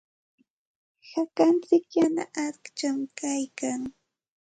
Hakantsik yana aqcham kaykan.